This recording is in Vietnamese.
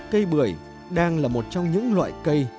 cây bưởi đang là một trong những loại cây